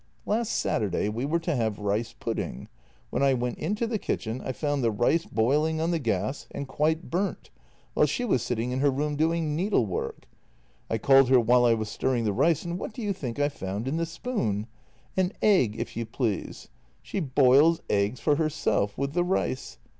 Last Saturday we were to have rice pudding. When I went into the kitchen I found the rice boiling on the gas and quite burnt, while she was sitting in her room doing needlework. I called her while I was stirring the rice, and what do you think I found in the spoon? An egg, if you please. She boils eggs for herself with the rice!